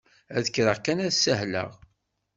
Ad kkreɣ kan ad sahleɣ.